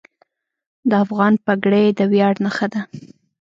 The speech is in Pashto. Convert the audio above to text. د افغان پګړۍ د ویاړ نښه ده.